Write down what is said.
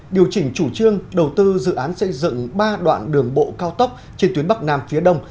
điều chỉnh chủ trương đầu tư dự án xây dựng ba đoạn đường bộ cao tốc trên tuyến bắc nam phía đông